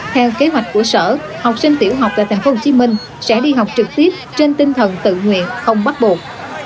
theo kế hoạch của sở học sinh tiểu học tại tp hcm sẽ đi học trực tiếp trên tinh thần tự nguyện không bắt buộc